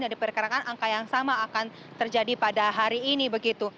dan diperkirakan angka yang sama akan terjadi pada hari ini begitu